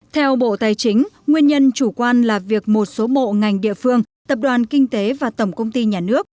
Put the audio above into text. theo bộ tài chính nguyên nhân chủ quan là việc một số bộ ngành địa phương tập đoàn kinh tế và tổng công ty nhà nước